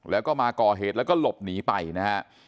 แล้วก็มาก่อเหตุแล้วก็หลบหนีไปนะฮะ